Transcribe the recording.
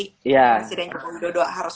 presiden kemudodok harus